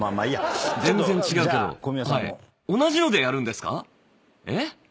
同じのでやるんですか⁉えっ？